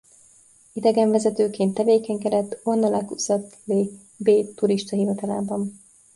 Idegenvezetőként tevékenykedett Ornolac-Ussat-les-Bains turista hivatalában.